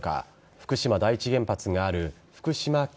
福島第一原発がある福島県